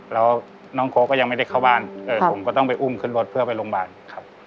แล้วน้องโค้ก็ยังไม่ได้เข้าบ้านผมก็ต้องไปอุ้มขึ้นรถเพื่อไปโรงพยาบาลครับ